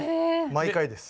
毎回です。